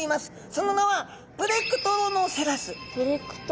その名はプレクトロノセラス？